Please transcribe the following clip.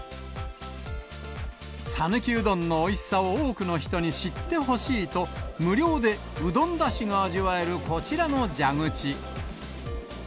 讃岐うどんのおいしさを多くの人に知ってほしいと、無料でうどんだしが味わえるこちらの蛇口。